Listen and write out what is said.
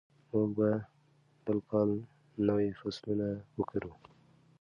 موږ به بل کال نوي فصلونه وکرو.